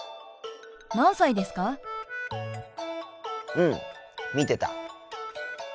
うん見てた。